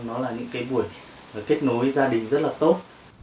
nó là những cái buổi kết nối gia đình rất là tốt